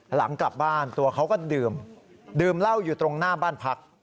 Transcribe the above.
หลังกลับบ้านตัวเขาก็ดื่มดื่มเหล้าอยู่ตรงหน้าบ้านพัก